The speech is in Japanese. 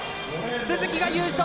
鈴木が優勝！